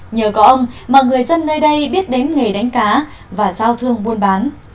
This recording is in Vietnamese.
nhờ có ông mà người dân nơi đây biết đến nghề đánh cá và giao thương buôn bán